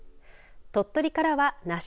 鳥取からは梨。